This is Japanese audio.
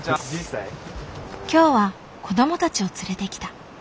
今日は子どもたちを連れてきた。